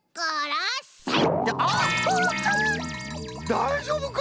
だいじょうぶか！？